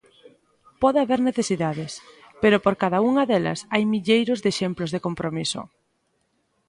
Pode haber necesidades, pero por cada unha delas hai milleiros de exemplos de compromiso.